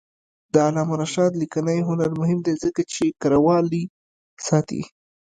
د علامه رشاد لیکنی هنر مهم دی ځکه چې کرهوالي ساتي.